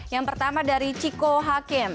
yang pertama dari ciko hakim